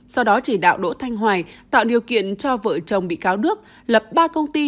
sau đó chỉ đạo đỗ thanh hoài tạo điều kiện cho vợ chồng bị cáo đức lập ba công ty